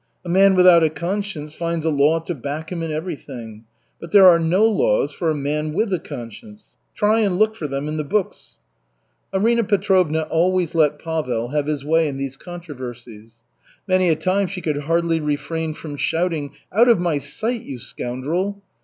A man without a conscience finds a law to back him in everything. But there are no laws for a man with a conscience. Try and look for them in the books." Arina Petrovna always let Pavel have his way in these controversies. Many a time she could hardly refrain from shouting, "Out of my sight, you scoundrel."